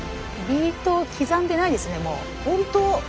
ビートを刻んでないですねもう。